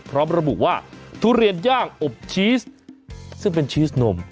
พร้อมระบุว่าทุเรียนย่างอบชีสซึ่งเป็นชีสนม